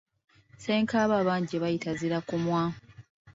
Ssenkaaba abandi gye bayita e Zzirakumwa.